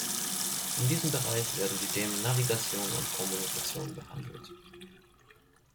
In diesem Bereich werden die Themen Navigation und Kommunikation behandelt.